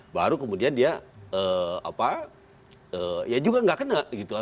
baru kemudian dia apa ya juga tidak kena